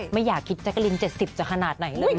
ไม่อยากคิดแจ๊กกะลิน๗๐จะขนาดไหนเลย